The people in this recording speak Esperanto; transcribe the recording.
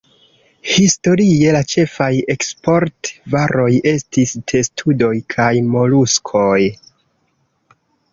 Historie la ĉefaj eksport-varoj estis testudoj kaj moluskoj.